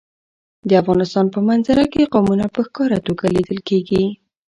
د افغانستان په منظره کې قومونه په ښکاره توګه لیدل کېږي.